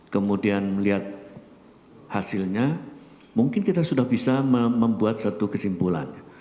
kemudian melihat hasilnya mungkin kita sudah bisa membuat satu kesimpulan